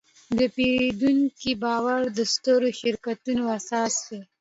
د پیرودونکي باور د سترو شرکتونو اساس دی.